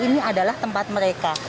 ini adalah tempat mereka